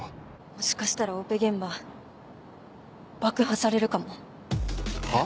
もしかしたらオペ現場爆破されるかも。は？